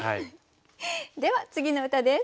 では次の歌です。